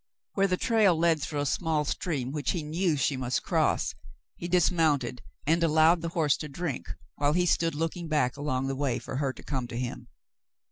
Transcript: Where the trail led through a small stream which he knew she must cross, he dismounted and allowed the horse to drink, while he stood looking back along the way for her to come to him.